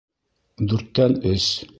Дүрттән өс